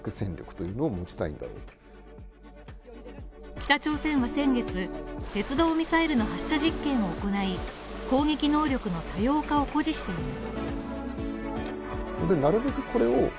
北朝鮮は先月、鉄道ミサイルの発射実験を行い、攻撃能力の多様化を誇示しています。